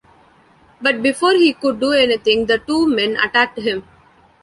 But before he could do anything the two men attacked him.